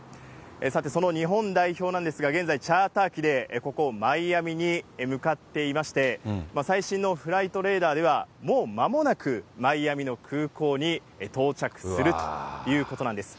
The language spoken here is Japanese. さて、その日本代表なんですが、現在、チャーター機でここマイアミに向かっていまして、最新のフライトレーダーではもうまもなくマイアミの空港に到着するということなんです。